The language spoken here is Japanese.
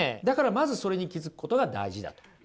だからまずそれに気付くことが大事だと。